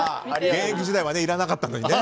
現役時代はいらなかったのにね。